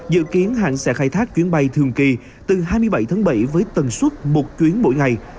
dự kiến hãng sẽ khai thác chuyến bay thường kỳ từ hai mươi bảy tháng bảy với tần suất một chuyến mỗi ngày